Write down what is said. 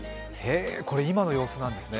これ、今の様子なんですね。